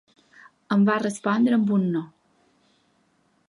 Em va respondre amb un no.